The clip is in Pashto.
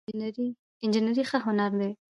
انجينري ښه هنر دی